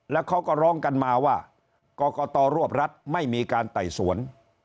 แล้วเขาก็ร้องกันมาว่ากรกตรวบรัฐไม่มีการไต่สวน